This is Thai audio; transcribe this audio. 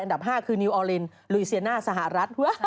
๕คือนิวออลินลุยเซียน่าสหรัฐ